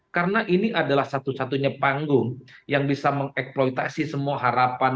karena ini adalah satu satunya panggung yang bisa mengeksploitasi semua harapan